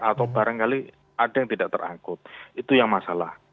atau barangkali ada yang tidak terangkut itu yang masalah